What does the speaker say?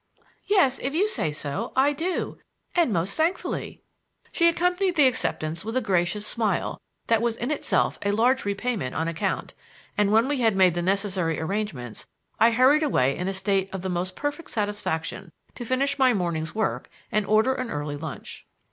"Yes, if you say so, I do; and most thankfully." She accompanied the acceptance with a gracious smile that was in itself a large repayment on account, and when we had made the necessary arrangements, I hurried away in a state of the most perfect satisfaction to finish my morning's work and order an early lunch.